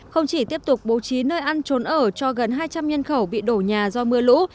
không chỉ tiếp tục bố trí nơi ăn trốn ở cho gần hai trăm linh nhân khẩu bị đổ nhà do mưa lũ